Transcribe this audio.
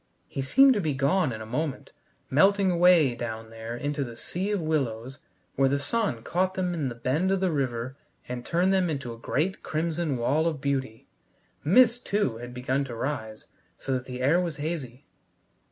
He seemed to be gone in a moment, melting away down there into the sea of willows where the sun caught them in the bend of the river and turned them into a great crimson wall of beauty. Mist, too, had begun to rise, so that the air was hazy.